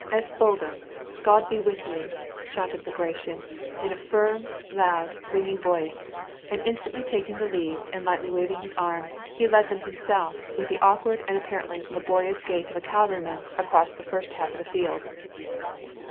" S Bogom !— Grod be with you I " shouted Bagration, in a firm, loud, ringing voice, and instantly taking the lead, and lightly waving his arm, led them himself, with the awkward and apparently laborious gaii, of a cavalryman, across the first lialf of the field.